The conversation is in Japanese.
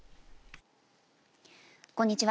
こんにちは。